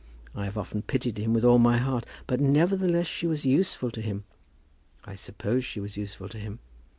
I have often pitied him with all my heart. But, nevertheless, she was useful to him. I suppose she was useful to him.